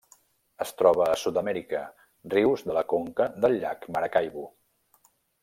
Es troba a Sud-amèrica: rius de la conca del llac Maracaibo.